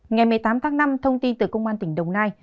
ngày một mươi tám tháng năm thông tin từ công an tỉnh đồng nai